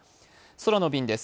空の便です。